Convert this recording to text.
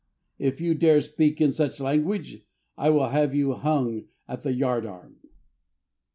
If you dare speak in such language, I will have you hung at the yard arm."